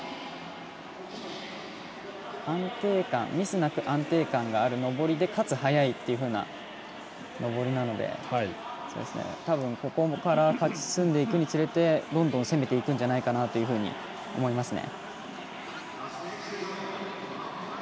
ミスなく安定感のある登りでかつ速いというような登りなので多分、ここから勝ち進むにつれてどんどん攻めていくんじゃないかなというふうに思いますね。